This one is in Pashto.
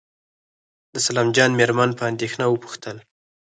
د سلام جان مېرمن په اندېښنه وپوښتل.